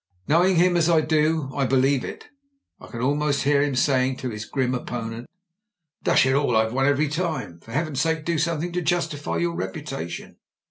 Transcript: Knowing him as I do, I believe it. I can almost hear him saying to his grim opponent, "Dash it all! I've won every time; for Heaven's sake do something to justify your repu tation."